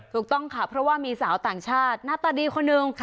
ถูกต้องค่ะเพราะว่ามีสาวต่างชาติหน้าตาดีคนหนึ่ง